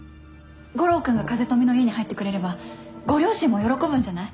悟郎君が風富の家に入ってくれればご両親も喜ぶんじゃない？